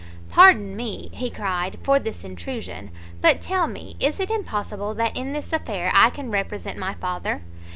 "Pardon me," he cried, "for this intrusion, but, tell me, is it impossible that in this affair I can represent my father?